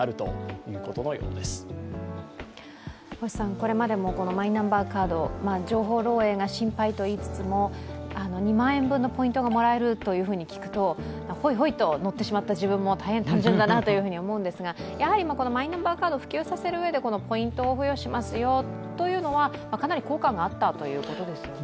これまでもマイナンバーカード、情報漏えいが心配といいつつも２万円分のポイントがもらえると聞くと、ホイホイと乗ってしまった自分も大変単純だなと思うんですが、やはりマイナンバーカードを普及させるうえでポイントを付与しますよというのはかなり効果があったということですよね。